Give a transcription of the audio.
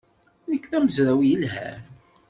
Nekk d amezraw yelhan.